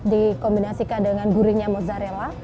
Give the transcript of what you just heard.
dikombinasikan dengan gurinya mozzarella